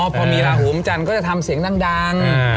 พอมีลาหูมจันทร์ก็จะทำเสียงดัง